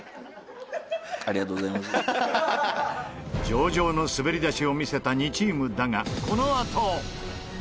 上々の滑り出しを見せた２チームだが。